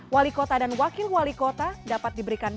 wali kota dan wakil wali kota dapat diberikan